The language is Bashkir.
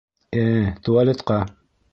Э-э... туалетҡа.